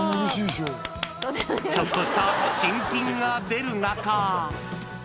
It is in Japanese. ちょっとした珍品が出る中。